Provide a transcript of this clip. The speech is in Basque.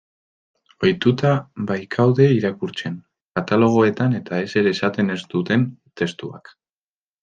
Ohituta baikaude irakurtzen, katalogoetan-eta, ezer esaten ez duten testuak.